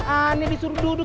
aneh disuruh duduk